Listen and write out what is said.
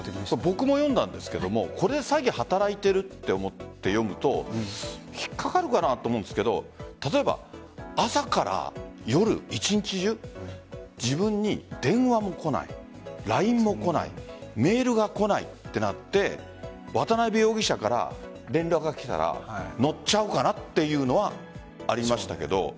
僕も読んだんですがこれで詐欺を働いていると思って読むと引っ掛かるかなと思うんですけど例えば、朝から夜一日中、自分に電話も来ないＬＩＮＥも来ないメールが来ないってなって渡辺容疑者から連絡が来たら乗っちゃうかなっていうのはありましたけど。